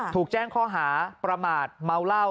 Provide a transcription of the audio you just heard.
ถูกแจ้งข้อหาประมาทเมาเหล้า